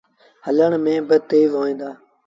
هلڻ ميݩ با تيز هوئيݩ دآ ۔